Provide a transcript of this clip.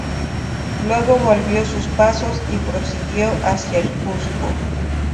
Luego volvió sus pasos y prosiguió hacia el Cuzco.